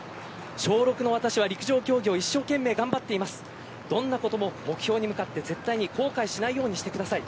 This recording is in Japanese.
小６の私は陸上競技を一生懸命頑張ってますとの事目標に向かって絶対に口外しないようにしてください。